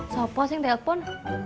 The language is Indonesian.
siapa sih yang telepon